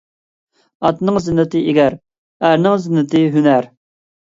ئاتنىڭ زىننىتى _ ئىگەر، ئەرنىڭ زىننىتى _ ھۈنەر.